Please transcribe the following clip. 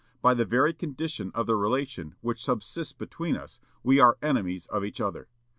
By the very condition of the relation which subsists between us, we are enemies of each other.